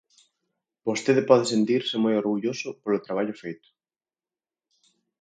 Vostede pode sentirse moi orgulloso polo traballo feito.